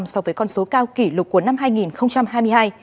so với con số cao kỷ lục của năm hai nghìn hai mươi hai